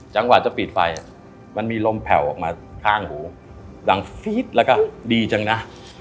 จังหวะจะปิดไฟมันมีลมแผ่วออกมาข้างหูดังฟีดแล้วก็ดีจังนะ